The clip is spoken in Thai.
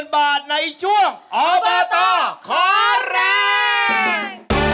๓๐๐๐๐บาทในช่วงออเบอร์ตอร์ขอแรง